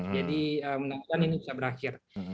jadi menurut saya ini bisa berakhir